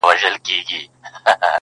په غاښونو یې ورمات کړله هډوکي!!